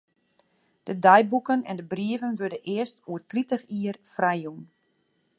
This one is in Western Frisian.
De deiboeken en de brieven wurde earst oer tritich jier frijjûn.